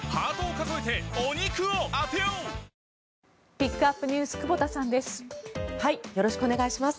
ピックアップＮＥＷＳ久保田さんです。